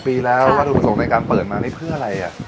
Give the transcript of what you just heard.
ปีแล้ววัตถุประสงค์ในการเปิดมานี่เพื่ออะไร